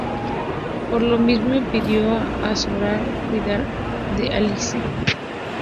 Por lo mismo, pidió a Sora cuidar de Alice.